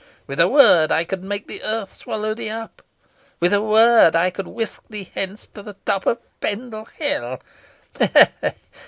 With a word, I could make the earth swallow thee up. With a word, I could whisk thee hence to the top of Pendle Hill.